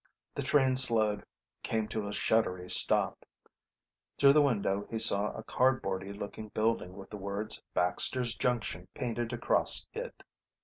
The train slowed, came to a shuddery stop. Through the window he saw a cardboardy looking building with the words BAXTER'S JUNCTION painted across it.